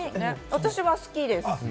私は好きです。